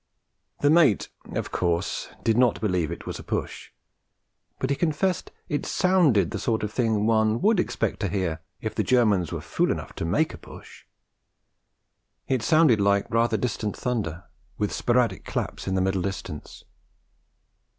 The mate, of course, did not believe it was the push; but he confessed it sounded the sort of thing one would expect to hear if the Germans were fools enough to make a push. It sounded like rather distant thunder, with sporadic claps in the middle distance.